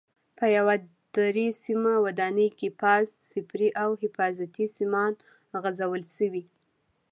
په یوه درې سیمه ودانۍ کې فاز، صفري او حفاظتي سیمان غځول شوي.